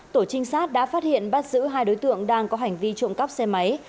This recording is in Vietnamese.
tổ trinh sát đã phát hiện bắt giữ hai đối tượng đang có hành vi trộm cắp xe máy